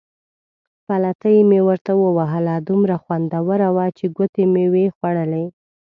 پلتۍ مې ورته ووهله، دومره خوندوره وه چې ګوتې مې وې خوړلې.